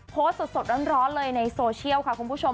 โพสต์สดร้อนเลยในโซเชียลค่ะคุณผู้ชม